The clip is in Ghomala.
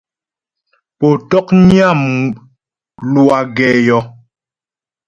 Pó ntɔ̌knyə́ a mlwâ gɛ yɔ́.